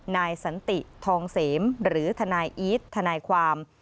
นายสันติทองเสมหรือทนายอีททนายความ